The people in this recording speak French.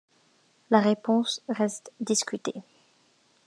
La réponse reste discutée.